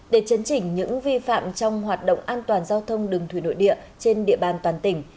để chấn chỉnh những vi phạm trong hoạt động an toàn giao thông đường thủy nội địa trên địa bàn toàn tỉnh